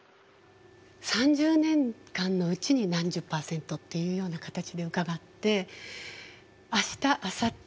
３０年間のうちに何十％っていうような形で伺って明日あさって